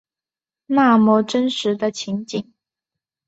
那么真实的情景